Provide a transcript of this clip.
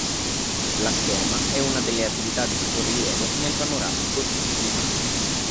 La scherma è una delle attività di maggior rilievo nel panorama sportivo pisano.